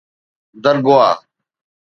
Dargwa